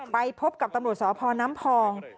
ไปพบกับตำรวจสพน้ำพอง